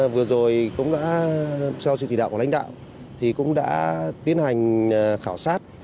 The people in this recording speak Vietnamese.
vừa rồi cũng đã theo sự kỳ đạo của lãnh đạo thì cũng đã tiến hành khảo sát